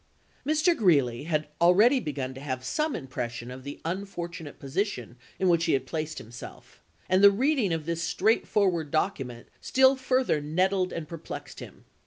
Mr. Greeley had already begun to have some im pression of the unfortunate position in which he had placed himself, and the reading of this straight forward document still further nettled and per plexed him.